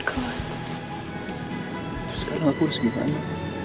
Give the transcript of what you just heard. terus sekarang aku harus gimana